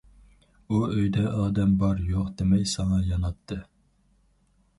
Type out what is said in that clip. ئۇ ئۆيدە ئادەم بار- يوق دېمەي ساڭا ياناتتى.